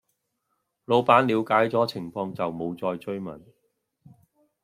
老闆了解左情況就無再追問